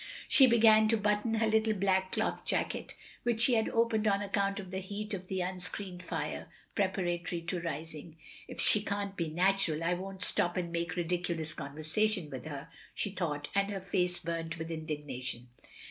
She began to button her little black cloth jacket, — ^which she had opened on account of the heat of the unscreened fire, — preparatory to rising. "If she can't be natural, I won't stop and make ridiculous conversation with her," she thought, and her face burnt with indignation.